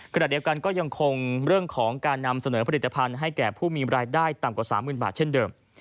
ขณะเดียวกันก็ยังคงเรื่องของการนำเสนอผลิตภัณฑ์ให้แก่ผู้มีรายได้ต่ำกว่า๓๐๐๐บาทเช่นเดิม